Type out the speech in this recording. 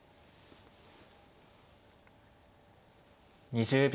２０秒。